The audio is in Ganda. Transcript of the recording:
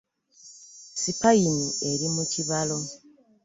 Sipayini eri mu kibalo.